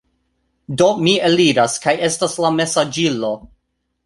Do, mi eliras kaj estas la mesaĝilo